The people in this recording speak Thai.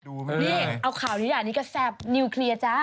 นี่เอาข่าวนี้อันนี้ก็แซ่บนิวเคลียร์จ้า